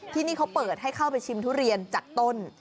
ที่นี่เขาเปิดให้เข้าไปชิมทุเรียนจากต้น